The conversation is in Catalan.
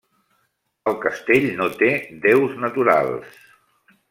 El castell no té deus naturals.